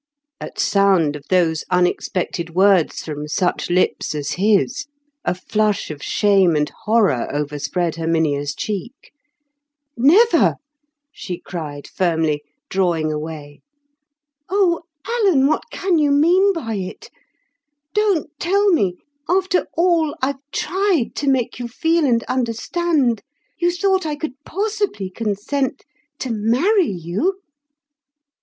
At sound of those unexpected words from such lips as his, a flush of shame and horror overspread Herminia's cheek. "Never!" she cried firmly, drawing away. "Oh, Alan, what can you mean by it? Don't tell me, after all I've tried to make you feel and understand, you thought I could possibly consent to marry you?"